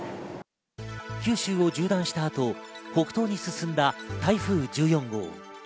九州を縦断したあと、北東に進んだ台風１４号。